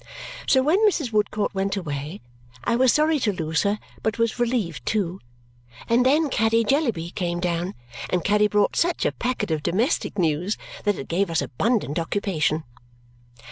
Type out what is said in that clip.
So when Mrs. Woodcourt went away, I was sorry to lose her but was relieved too. And then Caddy Jellyby came down, and Caddy brought such a packet of domestic news that it gave us abundant occupation.